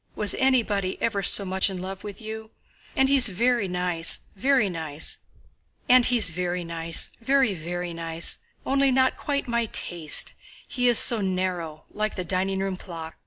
Was anybody ever so much in love with you? And he's very nice, very, very nice. Only not quite my taste—he is so narrow, like the dining room clock....